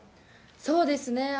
そうですね。